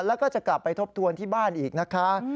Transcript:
แล้วก็จะกลับไปทบทวนที่บ้านอีกนะคะ